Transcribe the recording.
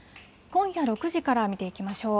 今夜６時から見ていきましょう。